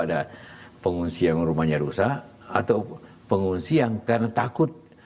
ada pengungsi yang rumahnya rusak atau pengungsi yang karena takut